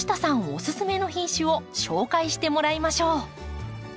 オススメの品種を紹介してもらいましょう。